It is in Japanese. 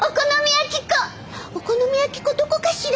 お好み焼き粉どこかしら？